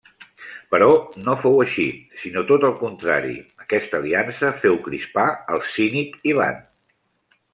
Però no fou així, sinó tot al contrari; aquesta aliança féu crispar el cínic Ivan.